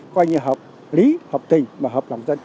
coi như hợp lý hợp tình và hợp làm dân